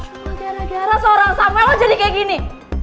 cuma gara gara seorang samuel jadi kayak gini